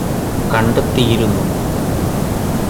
കണ്ടെത്തിയിരുന്നു